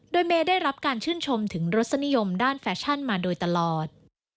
โดยเมย์ได้รับการชื่นชมถึงรสนิยมด้านแฟชั่นมาโดยตลอด